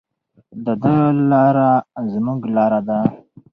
د ده لاره زموږ لاره ده.